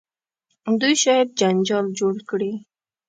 دوی شاید جنجال جوړ کړي.